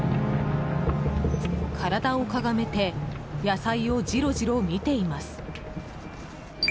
体をかがめて野菜をじろじろ見ています。